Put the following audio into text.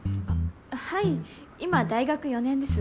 はい今大学４年です。